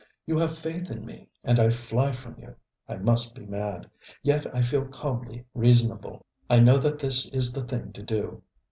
You have faith in me, and I fly from you! I must be mad. Yet I feel calmly reasonable. I know that this is the thing to do.